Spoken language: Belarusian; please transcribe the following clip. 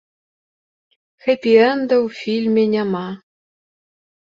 Хэпі-энда ў фільме няма.